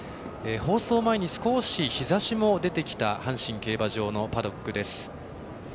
放送前に少し日ざしも出てきた阪神競馬場のパドックです。